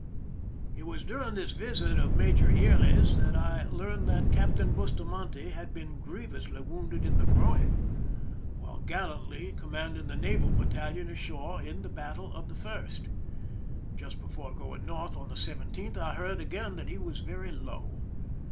It was during this visit of Major Yrles that I learned that Captain Bustamante had been griev ously wounded in the groin, while gallantly com manding the naval battalion ashore in the battle of 289 THE SINKING OF THE "MEREIMAC" the 1st. Just before going North on the 17th, I heard again that he was very low.